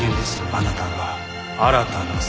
あなたが新たな聖母。